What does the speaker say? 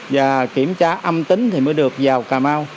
và kiểm tra âm tính thì mới được vào cà mau